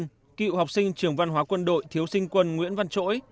chủ tịch nguyễn thiện nhân cựu học sinh trường văn hóa quân đội thiếu sinh quân nguyễn văn chối